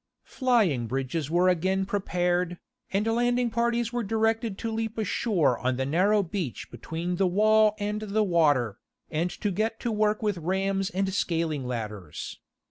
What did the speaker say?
Flying bridges were again prepared, and landing parties were directed to leap ashore on the narrow beach between the wall and the water, and get to work with rams and scaling ladders.